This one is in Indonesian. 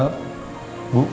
kalau gitu kita pulang ya